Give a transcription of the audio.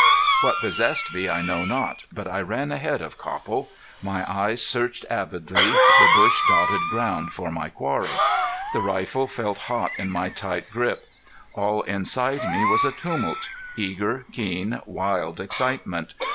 What possessed me I knew not, but I ran ahead of Copple. My eyes searched avidly the bush dotted ground for my quarry. The rifle felt hot in my tight grip. All inside me was a tumult eager, keen, wild excitement.